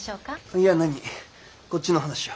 いやなにこっちの話よ。